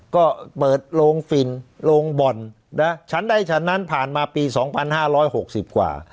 ก็เปิดโรงฟิลล์โรงบ่นนะฉันได้ฉันนั้นผ่านมาปี๒๕๖๐กว่า